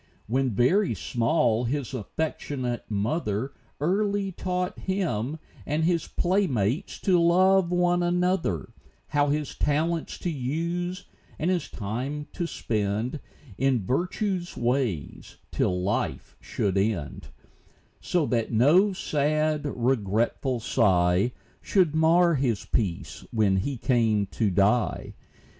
When very small his affectionate mother Early taught him and his playmates to love one another How his talents to use, and his time to spend In virtue's ways, till life should end ; So that no sad, regretful sigh Should mar his peace, when he came to die.